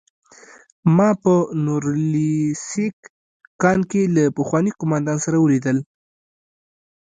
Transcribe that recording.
ما په نوریلیسک کان کې له پخواني قومندان سره ولیدل